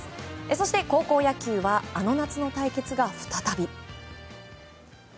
そして高校野球はあの夏の対決が再び。